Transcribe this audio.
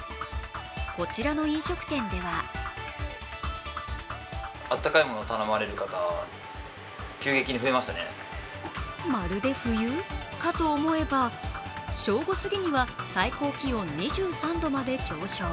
こちらの飲食店ではまるで冬かと思えば、正午すぎには最高気温２３度まで上昇。